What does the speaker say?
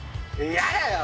嫌だよ。